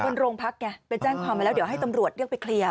บนโรงพักไงไปแจ้งความไว้แล้วเดี๋ยวให้ตำรวจเรียกไปเคลียร์